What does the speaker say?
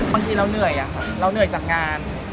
บางทีเราเหนื่อยอะค่ะเราเหนื่อยจากงาน